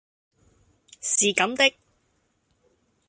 是咁的